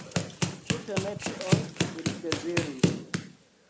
Tute ne tion ili deziris.